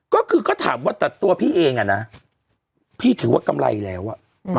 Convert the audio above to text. ก็คือเขาถามว่าแต่ตัวพี่เองอ่ะนะพี่ถือว่ากำไรแล้วอ่ะ